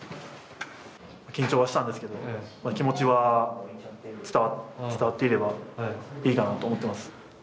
緊張はしたんですけど気持ちは伝わっていればいいかなと思います。